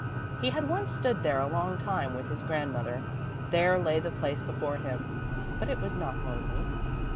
He had once stood there a long time with his grandmother. There lay the place before him, but it was not lonely.